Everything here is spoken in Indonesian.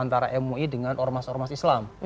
antara mui dengan ormas ormas islam